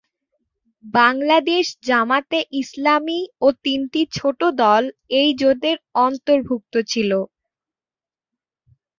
Bangladesh Jamaat-e-Islami ও তিনটি ছোট দল এই জোটের অন্তর্ভুক্ত ছিল।